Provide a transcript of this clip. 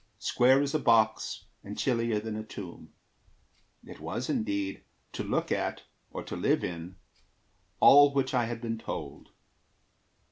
Square as a box and chillier than a tomb It was indeed, to look at or to live in All which had I been told.